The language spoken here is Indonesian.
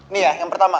nih ya yang pertama